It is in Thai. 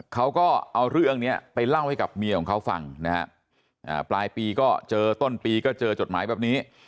เขาก็เอาเรื่องนี้ไปเล่าให้กับเมียของเขาฟังนะฮะปลายปีก็เจอต้นปีก็เจอจดหมายแบบนี้